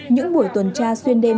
những buổi tuần tra xuyên đêm